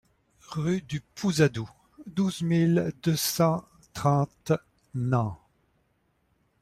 Rue du Pouzadou, douze mille deux cent trente Nant